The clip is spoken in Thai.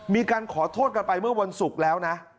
มีการขอโทษกันไปเมื่อวันศุกร์แล้วนะ